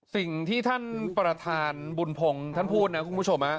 สิ่งที่ท่านประธานบุญพงศ์ท่านพูดนะคุณผู้ชม